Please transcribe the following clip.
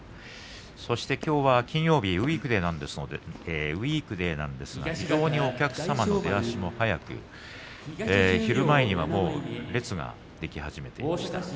そしてきょうは金曜日のウイークデーですが非常にお客様の出足も速く昼前には列ができ始めていました。